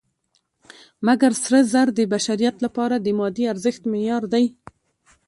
مګر سره زر د بشریت لپاره د مادي ارزښت معیار دی.